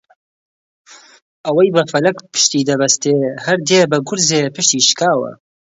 ئەوەی بە فەلەک پشتیدەبەستێ هەر دێ بە گورزێ پشتی شکاوە